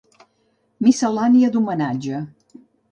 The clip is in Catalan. Miscel·lània d'homenatge.